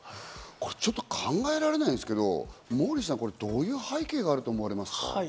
これちょっと考えられないんですけど、モーリーさん、どういう背景があると思いますか？